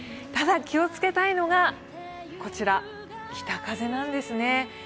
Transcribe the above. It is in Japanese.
ただ、気をつけたいのがこちら、北風なんですね。